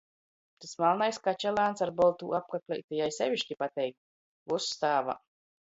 Tys malnais kačalāns ar boltū apakleiti jai seviški pateik — vyss tāvā!